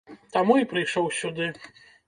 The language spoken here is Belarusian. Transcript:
Таму і прыйшоў сюды.